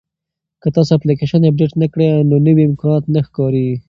که تاسي اپلیکیشن اپډیټ نه کړئ نو نوي امکانات نه ښکاري.